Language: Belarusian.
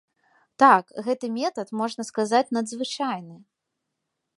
Так, гэты метад, можна сказаць, надзвычайны.